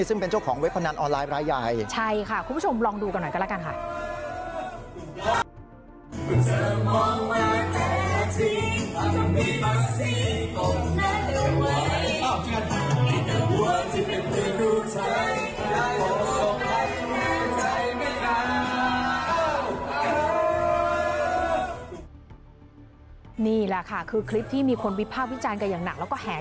สิ่งเป็นเจ้าของเว็บพะนั้นออนไลน์ร้ายใหญ่